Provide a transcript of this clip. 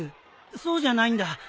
そうじゃないんだ。